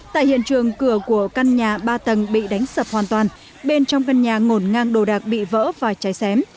tại hiện trường cửa của căn nhà ba tầng bị đánh sập hoàn toàn bên trong căn nhà ngổn ngang đồ đạc bị vỡ và cháy xém